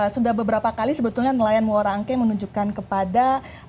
sudah beberapa kali sebetulnya nelayan mua rangke menunjukkan kepada